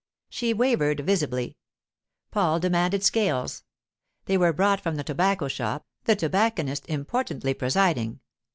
She wavered visibly. Paul demanded scales. They were brought from the tobacco shop, the tobacconist importantly presiding.